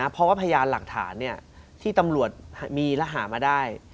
เพราะว่าพยานหลักฐานที่ตำรวจมีและหามาได้